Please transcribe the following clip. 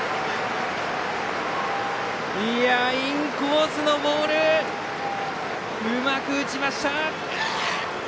インコースのボールうまく打ちました。